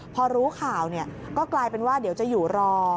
พอรู้ข่าวก็กลายเป็นว่าเดี๋ยวจะอยู่รอ